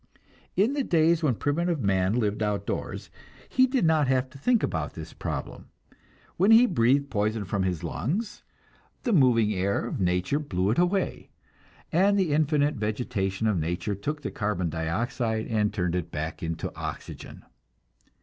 In the days when primitive man lived outdoors, he did not have to think about this problem. When he breathed poison from his lungs, the moving air of nature blew it away, and the infinite vegetation of nature took the carbon dioxide and turned it back into oxygen.